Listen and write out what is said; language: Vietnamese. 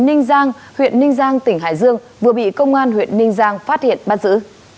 ninh giang huyện ninh giang tỉnh hải dương vừa bị công an huyện ninh giang phát hiện bắt giữ